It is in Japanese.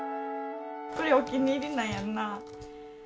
これお気に入りなんやなあ。